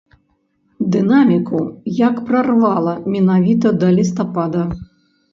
Дынаміку як прарвала менавіта да лістапада.